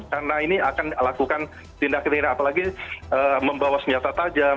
karena ini akan melakukan tindak tindak apalagi membawa senjata tajam